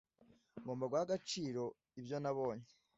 ngomba guha agaciro ibyo nabonye